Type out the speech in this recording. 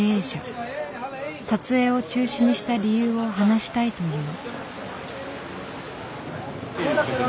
撮影を中止にした理由を話したいという。